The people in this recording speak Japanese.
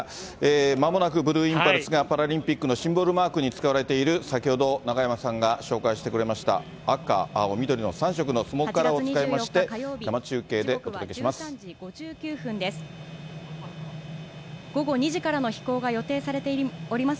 まもなくブルーインパルスが、パラリンピックのシンボルマークに使われている、先ほど中山さんが紹介してくれました、赤、青、緑の３色のスモークカラーを使いまして、生中継でお届けします。